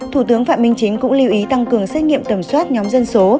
thủ tướng phạm minh chính cũng lưu ý tăng cường xét nghiệm tầm soát nhóm dân số